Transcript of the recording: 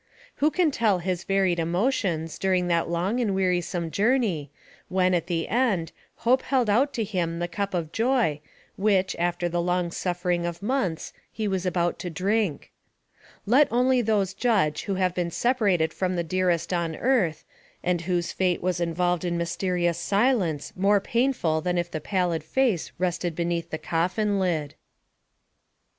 Who can tell his varied emotions, during that long and wearisome journey, when, at the end, hope held out to him the cup of joy which, after the long suffering of months, he was about to drink. Let only those judge who have been separated from the dearest on earth, and whose fate' was involved in mysterious silence, more painful than if the pallid face rested beneath the coffin lid.